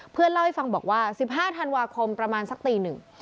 เล่าให้ฟังบอกว่า๑๕ธันวาคมประมาณสักตีหนึ่ง